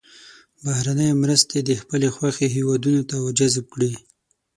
بهرنۍ مرستې د خپلې خوښې هېوادونو ته ور جذب کړي.